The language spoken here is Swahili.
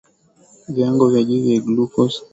viwango vya juu vya glucose vinasababisha vidonda kutopona